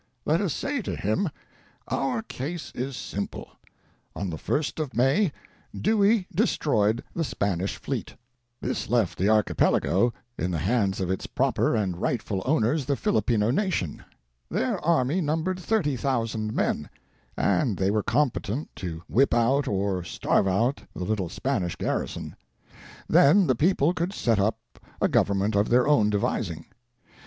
Let us say to him : "'Our case is simple. On the 1st of May, Dewey destroyed the Spanish fleet. This left the Archipelago in the hands of its proper and rightful owners, the Filipino nation. Their army numbered 30,000 men, and they were competent to whip out or starve out the little Spanish garrison; then the people could set up a gov ernment of their own cie vising.